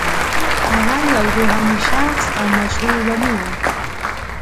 هغه یو روحاني شخص او مشهور ولي و.